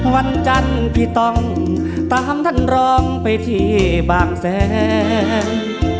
วันจันทร์ที่ต้องตามท่านรองไปที่บางแสน